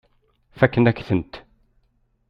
Fakken-ak-tent.